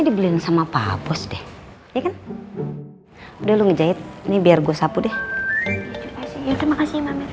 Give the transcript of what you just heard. dibeliin sama pak bos deh ya kan udah lu ngejahit ini biar gue sapu deh ya udah makasih mbak mir